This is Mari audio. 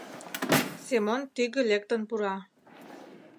Семон тӱгӧ лектын пура.